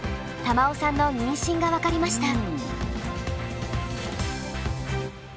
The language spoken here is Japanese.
瑶生さんの妊娠が分かりました。